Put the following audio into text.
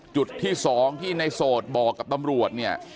จุดที่๒ที่ในโสดบอกกับตำรวจเนี่ย